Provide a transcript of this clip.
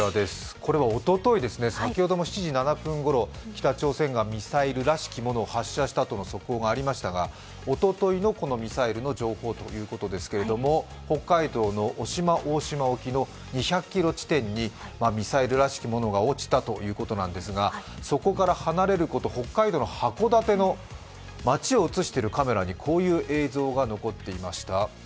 これはおととい、先ほども７時７分ごろ、北朝鮮がミサイルらしきものを発射したという速報がありましたがおとといのミサイルの情報ということですけど北海道の渡島大島沖の２００ｋｍ地点にミサイルらしきものが落ちたということなんですが、そこから離れること北海道の函館の街を映しているカメラにこういう映像が残っていました。